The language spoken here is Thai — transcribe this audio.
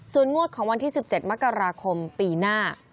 ส่วนงวดของวันที่๑๗มกราคมปีหน้า